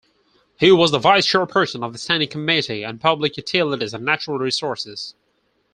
He was the vice-chairperson of the standing committee on public utilities and natural resources.